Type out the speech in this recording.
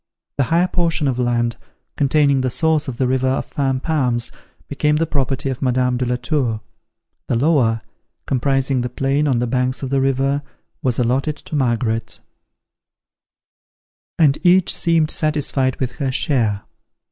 The higher portion of land, containing the source of the river of Fan Palms, became the property of Madame de la Tour; the lower, comprising the plain on the banks of the river, was allotted to Margaret; and each seemed satisfied with her share.